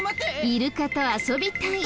イルカと遊びたい！